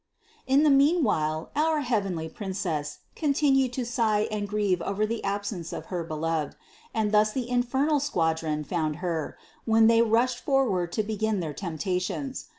695. In the meanwhile our heavenly Princess con tinued to sigh and grieve over the absence of her Beloved, and thus the infernal squadron found Her, when they rushed forward to begin their temptations.